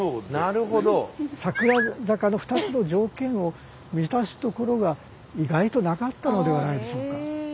桜坂の２つの条件を満たすところが意外となかったのではないでしょうか。